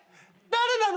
誰なの？